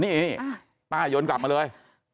นี่ป้ายนกลับมาเลย